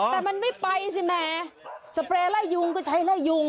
แต่มันไม่ไปสิแหมสเปรย์ไล่ยุงก็ใช้ไล่ยุง